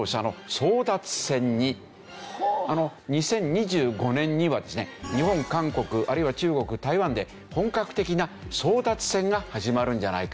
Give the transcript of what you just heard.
２０２５年にはですね日本韓国あるいは中国台湾で本格的な争奪戦が始まるんじゃないか。